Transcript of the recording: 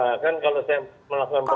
ya kan kalau saya melakukan perlawanan juga